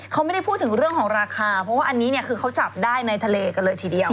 เขาไม่ได้พูดถึงเรื่องของราคาเพราะว่าอันนี้เนี่ยคือเขาจับได้ในทะเลกันเลยทีเดียว